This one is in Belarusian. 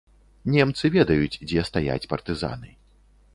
Немцы ведаюць, дзе стаяць партызаны.